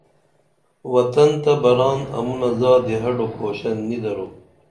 وطن تہ بران امونہ زادی ہڈو کُھوشن نی درو